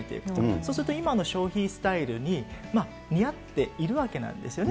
そうすると今の消費スタイルに見合っているわけなんですよね。